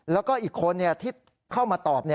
แล้วก็อีกคนที่เข้ามาตอบ